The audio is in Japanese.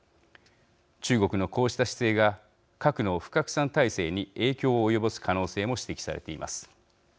中国のこうした姿勢が核の不拡散体制に影響を及ぼす可能性も指摘されています。